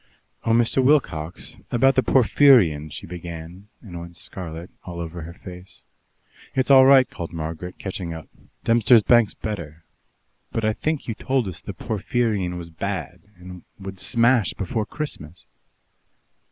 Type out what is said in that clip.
"Oh, Mr. Wilcox, about the Porphyrion " she began, and went scarlet all over her face. "It's all right," called Margaret, catching them up. "Dempster's Bank's better." "But I think you told us the Porphyrion was bad, and would smash before Christmas."